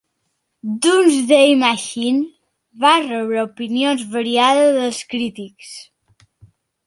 "Doomsday Machine" va rebre opinions variades dels crítics.